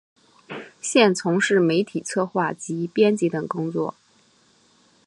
现从事媒体策划及编辑等工作。